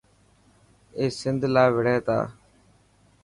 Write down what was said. اي سنڌ لاءِ وڙهي تا.